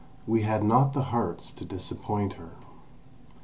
We had not the hearts to disappoint her.